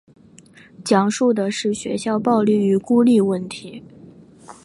讲述的是学校暴力和孤立问题。